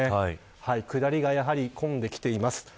下りが混んできています。